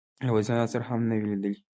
له وزیرانو سره هم نه وه لیدلې.